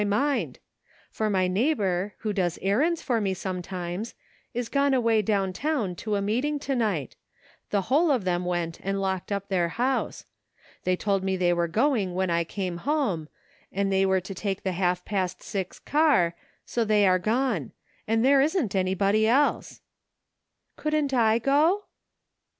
my mind ; for my neighbor, who does errands for me sometimes, is gone away down town to a meeting to night; the whole of them went and locked up their house. They told me they were going when I came home, and they were to take the half past six car, so they are gone ; and there isn't anybody else." "Couldn't I go?"